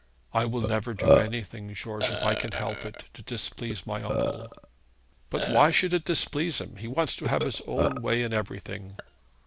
'I will never do anything, George, if I can help it, to displease my uncle.' 'But why should it displease him? He wants to have his own way in everything.'